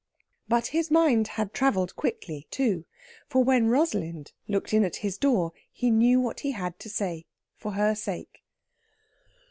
But his mind had travelled quickly too; for when Rosalind looked in at his door he knew what he had to say, for her sake.